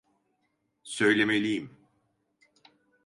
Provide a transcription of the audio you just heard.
Söylemeliyim.